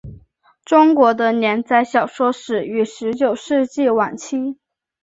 中国的连载小说始于十九世纪晚期。